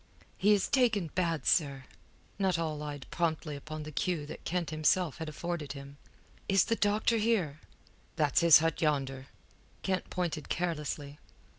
"He is taken bad, sir," Nuttall lied promptly upon the cue that Kent himself had afforded him. "Is the doctor here?" "That's his hut yonder." Kent pointed carelessly.